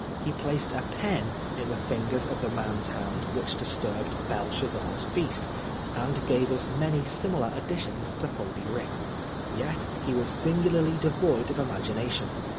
He placed a pen in the fingers of the man's hand which disturbed Belshazzar's feast, and gave us many similar additions to holy writ. Yet 144 PRISONER FOR BLASPHEMY. he was singularly devoid of imagination.